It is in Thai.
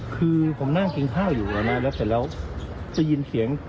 คือผมนั่งกินข้าวอยู่แล้วเสร็จแล้วจะได้ยินเสียง